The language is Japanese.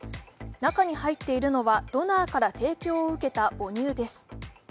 中に入っているのは、ドナーから提供を受けた母乳です